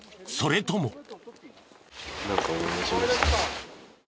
それとも。